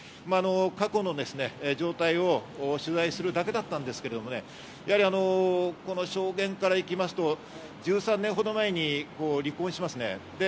過去の状態を取材するだけだったんですけど、証言から行きますと、１３年ほど前に離婚します。